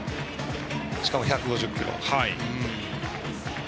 しかも１５０キロ。